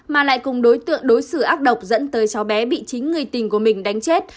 mà lại cùng đối tượng đối xử ác độc dẫn tới cháu bé bị chính người tình của mình đánh chết